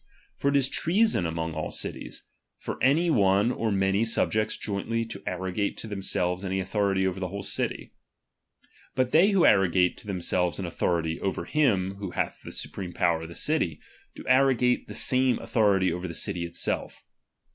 For it is treason among all cities, for any one or many subjects jointly to arrogate to themselves any authority over the whole city. But RELIGION. they who arrogate to themselves an authority over chap.xvi him who hath the supreme power of the city, do _^^" arrogate the same authority over the city itself, muuicou™ i».